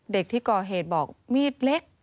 เด็กที่ก่อเหตุบอกมีดเล็ก